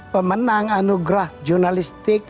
pemenang anugerah jurnalistik